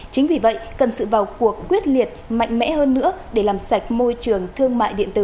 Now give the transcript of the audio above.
chính vì vậy cần sự vào cuộc quyết liệt mạnh mẽ hơn nữa để làm sạch môi trường thương mại điện tử